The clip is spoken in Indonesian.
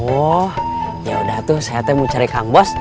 oh yaudah tuh saya mau cari kang bos